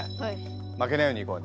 負けないようにいこうね。